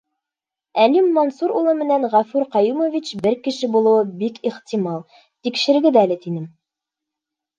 Әлим Мансур улы менән Ғәфүр Ҡәйүмович бер кеше булыуы бик ихтимал, тикшерегеҙ әле, тинем.